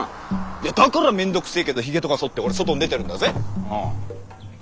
いやだからめんどくせーけどヒゲとか剃って俺外に出てるんだぜ。